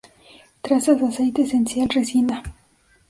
Trazas de aceite esencial, resina.